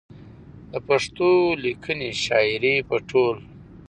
د پښتو ليکنۍ شاعرۍ په ټول